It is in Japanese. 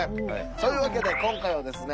というわけで今回はですね